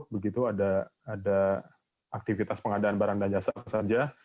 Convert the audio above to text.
begitu ada aktivitas pengadaan barang dan jasa saja